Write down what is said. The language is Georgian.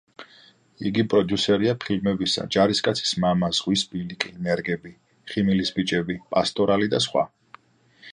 იგი პროდიუსერია ფილმებისა: „ჯარისკაცის მამა“, „ზღვის ბილიკი“, „ნერგები“, „ღიმილის ბიჭები“, „პასტორალი“ და სხვა.